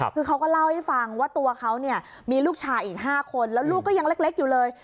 คือเขาก็เล่าให้ฟังว่าตัวเขาเนี่ยมีลูกชายอีก๕คนแล้วลูกก็ยังเล็กอยู่เลย